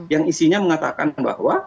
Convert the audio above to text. yang isinya mengatakan bahwa